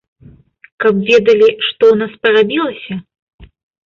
Каб ведалі, што ў нас парабілася?